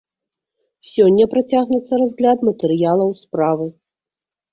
Сёння працягнецца разгляд матэрыялаў справы.